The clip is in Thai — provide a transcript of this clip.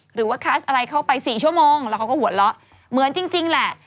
หรือว่าคัสอะไรเข้าไป๔ชั่วโมงแล้วเขาก็หัวเราะเหมือนจริงแหละ